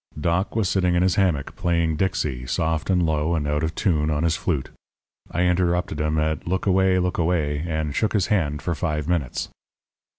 "Doc was sitting in his hammock playing 'Dixie,' soft and low and out of tune, on his flute. I interrupted him at 'Look away! look away!' and shook his hand for five minutes.